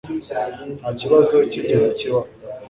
Nta kibazo cyigeze kibaho.